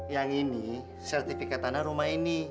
yang ini sertifikat tanah rumah ini